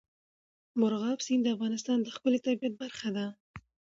مورغاب سیند د افغانستان د ښکلي طبیعت برخه ده.